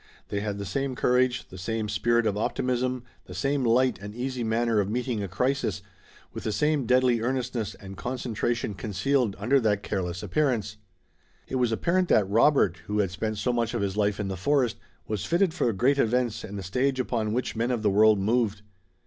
They had the same courage, the same spirit of optimism, the same light and easy manner of meeting a crisis, with the same deadly earnestness and concentration concealed under that careless appearance. It was apparent that Robert, who had spent so much of his life in the forest, was fitted for great events and the stage upon which men of the world moved.